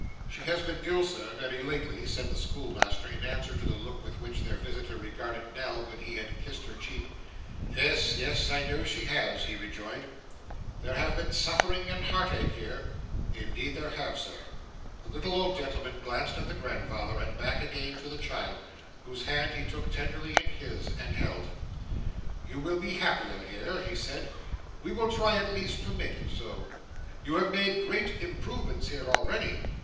'She has been ill, sir, very lately,' said the schoolmaster, in answer to the look with which their visitor regarded Nell when he had kissed her cheek. 'Yes, yes. I know she has,' he rejoined. 'There have been suffering and heartache here.' 'Indeed there have, sir.' The little old gentleman glanced at the grandfather, and back again at the child, whose hand he took tenderly in his, and held. 'You will be happier here,' he said; 'we will try, at least, to make you so. You have made great improvements here already.